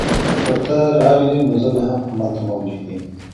که ته راغلې نو زه به هم هلته موجود یم